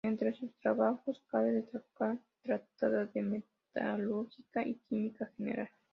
Entre sus trabajos cabe destacar "Tratado de metalurgia" y "Química General".